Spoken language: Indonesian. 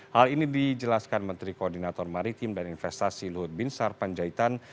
hal ini dijelaskan menteri koordinator maritim dan investasi lut binsar panjaitan